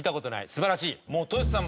素晴らしい！